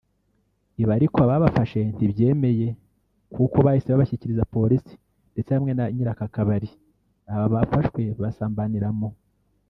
Ibi ariko ababafashe ntibyemeye kuko bahise babashyikiriza polisi ndetse hamwe na nyir’aka kabari aba bafashwe basambaniramo